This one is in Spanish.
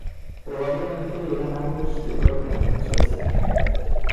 Probablemente eran ambos de Gotland, Suecia.